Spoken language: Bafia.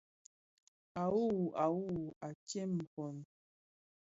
A wuwu, a wuwu, à tsem pong.